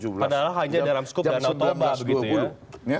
padahal hanya dalam skup daratoba begitu ya